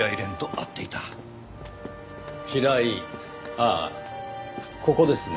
ああここですね。